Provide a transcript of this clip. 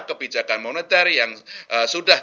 kebijakan moneter yang sudah